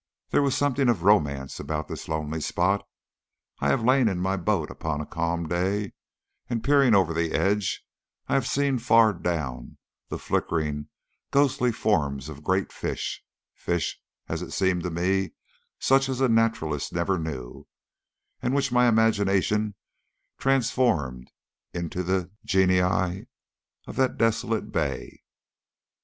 There was something of romance about this lonely spot. I have lain in my boat upon a calm day, and peering over the edge I have seen far down the flickering, ghostly forms of great fish fish, as it seemed to me, such as naturalist never knew, and which my imagination transformed into the genii of that desolate bay.